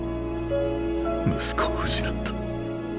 息子を失った。